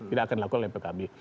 tidak akan dilakukan oleh pkb